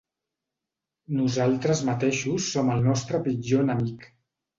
Nosaltres mateixos som el nostre pitjor enemic.